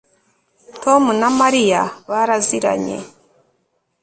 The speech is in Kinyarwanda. Tom na Mariya baraziranye